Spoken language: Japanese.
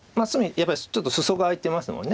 やっぱりちょっとスソが空いてますもんね。